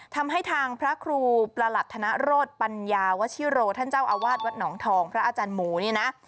ทำให้ทางพระครูประหลัดธนโรธปัญญาวชิโรท่านเจ้าอาวาสวัดหนองทองพระอาจารย์หมูนี่นะ